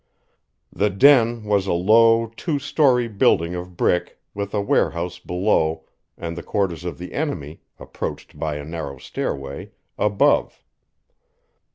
The Den was a low, two story building of brick, with a warehouse below, and the quarters of the enemy, approached by a narrow stairway, above.